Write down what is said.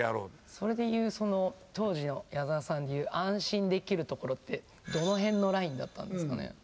それで言う当時の矢沢さんで言う「安心できるところ」ってどの辺のラインだったんですかね？